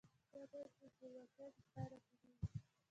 دا باید د زورواکۍ په پایله کې نه وي.